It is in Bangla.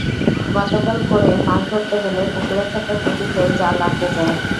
গতকাল ভোরে মাছ ধরতে গেলে পুকুরে থাকা খুঁটিতে জাল আটকে যায়।